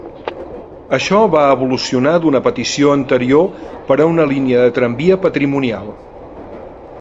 Això va evolucionar d'una petició anterior per a una línia de tramvia patrimonial.